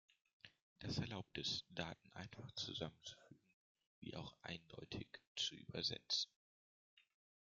Das erlaubt es, Daten einfach zusammenzufügen wie auch eindeutig zu übersetzen.